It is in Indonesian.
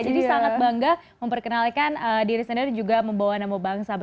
jadi sangat bangga memperkenalkan diri sendiri dan juga membawa nama bangsa